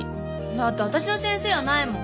だって私の先生やないもん。